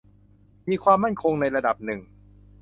มีความมั่นคงในระดับหนึ่ง